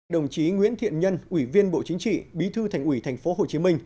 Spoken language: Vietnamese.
đồng chí nguyễn thiện nhân ủy viên bộ chính trị bí thư thành ủy tp hcm